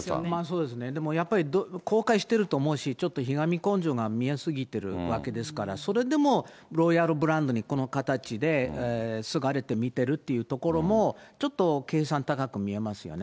そうですよね、でもやっぱり後悔してると思うし、ちょっとひがみ根性が見え過ぎてるわけですから、それでもロイヤルブランドでこの形ですがれて見てるというところも、ちょっと計算高く見えますよね。